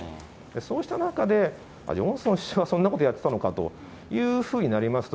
そうした中で、ジョンソン首相、そんなことやってたのかというふうになりますと、